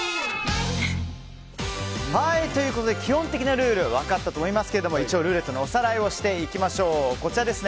基本的なルール分かったと思いますけども一応、ルーレットのおさらいをしていきましょう。